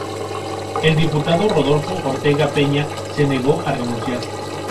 El diputado Rodolfo Ortega Peña se negó a renunciar.